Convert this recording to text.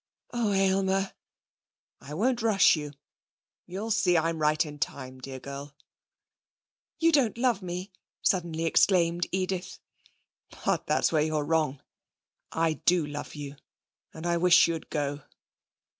'Oh, Aylmer!' 'I won't rush you. You'll see I'm right in time, dear girl.' 'You don't love me!' suddenly exclaimed Edith. 'But that's where you're wrong. I do love you. And I wish you'd go.'